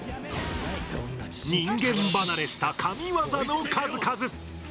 人間離れした神ワザの数々！